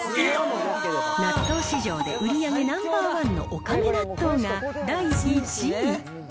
納豆市場で売り上げナンバー１のおかめ納豆が第１位。